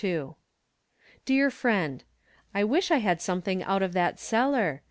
^ S^A* Dear Friend : I wish I had something out of that cellar.